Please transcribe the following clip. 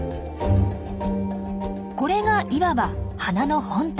これがいわば花の本体。